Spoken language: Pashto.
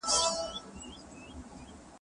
لار د دنګ بالاحصار زړګي ته مړه ده